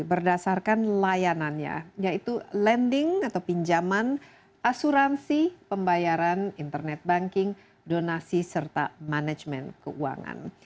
berdasarkan layanannya yaitu lending atau pinjaman asuransi pembayaran internet banking donasi serta manajemen keuangan